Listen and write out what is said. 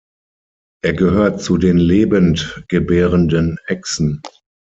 Er gehört zu den lebend gebärenden Echsen.